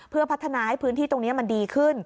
เพื่อพัฒนาให้พื้นที่ตรงนี้มันดีขึ้น